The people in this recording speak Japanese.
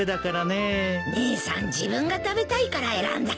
姉さん自分が食べたいから選んだんだよ。